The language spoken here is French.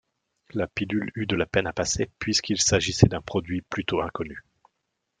La pilule eut de la peine à passer puisqu'il s'agissait d'un produit plutôt inconnu.